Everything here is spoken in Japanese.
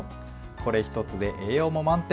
これ１つで栄養も満点！